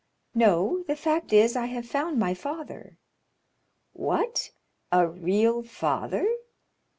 "No; the fact is, I have found my father." "What? a real father?"